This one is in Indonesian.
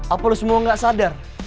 apa lo semua nggak sadar